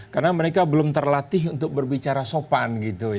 karena mereka belum terlatih untuk berbicara sopan